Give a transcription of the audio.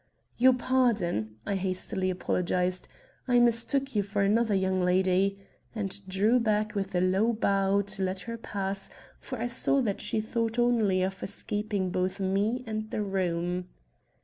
"Your pardon," I hastily apologized. "I mistook you for another young lady," and drew back with a low bow to let her pass, for I saw that she thought only of escaping both me and the room.